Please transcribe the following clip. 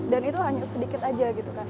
dan itu hanya sedikit aja gitu kan